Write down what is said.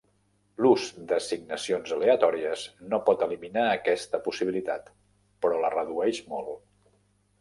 L'ús d'assignacions aleatòries no pot eliminar aquesta possibilitat, però la redueix molt.